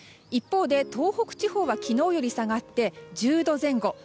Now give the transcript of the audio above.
一方で東北地方は昨日より下がって１０度前後。